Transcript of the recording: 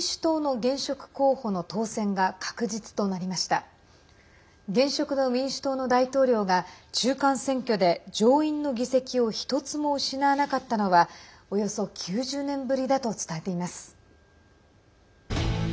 現職の民主党の大統領が中間選挙で上院の議席を１つも失わなかったのはおよそ９０年ぶりだと伝えています。